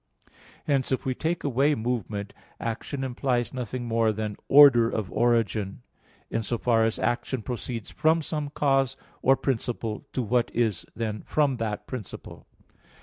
Hence, if we take away movement, action implies nothing more than order of origin, in so far as action proceeds from some cause or principle to what is from that principle.